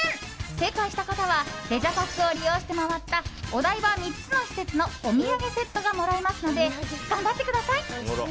正解した方はレジャパスを利用して回ったお台場３つの施設のお土産セットがもらえますので頑張ってください。